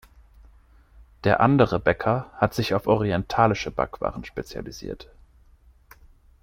Der andere Bäcker hat sich auf orientalische Backwaren spezialisiert.